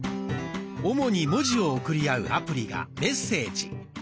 主に文字を送り合うアプリが「メッセージ」。